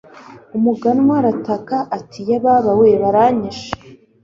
umuganwa arataka ati 'yebabawe! baranyishe